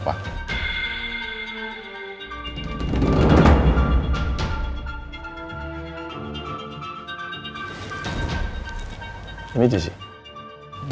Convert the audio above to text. udah tau wajahnya seperti apa